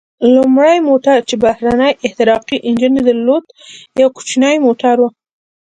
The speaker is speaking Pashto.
لومړی موټر چې بهرنی احتراقي انجن درلود، یو کوچنی موټر و.